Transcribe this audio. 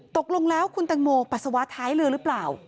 ตกลงแล้วคุณตังโมปัสสาวะท้ายเรือหรือเปล่า